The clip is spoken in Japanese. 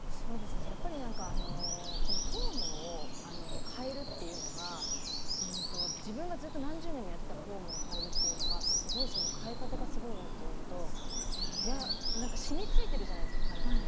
やっぱり、フォームを変えるっていうのが自分がずっと何十年もやってたフォームを変えるっていうのがその変え方がすごいなっていうのと染みついてるじゃないですか体に。